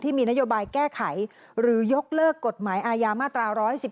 มีนโยบายแก้ไขหรือยกเลิกกฎหมายอาญามาตรา๑๑๒